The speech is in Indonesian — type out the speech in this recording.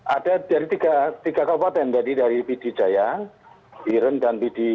ada dari tiga kabupaten dari bidijaya wiren dan bidi